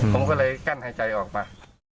ผมก็เลยกั้นหายใจออกมา